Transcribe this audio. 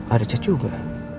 ada chat juga